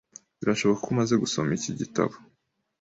Birashoboka ko umaze gusoma iki gitabo.